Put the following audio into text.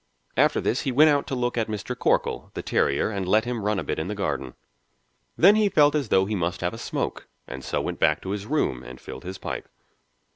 After this he went out to look at Mr. Corkle, the terrier, and let him run a bit in the garden; then he felt as though he must have a smoke, and so went back to his room and filled his pipe.